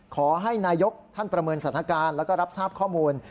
ขอให้นายกท่านประเมินสถานการณ์แล้วก็รับทราบข้อมูล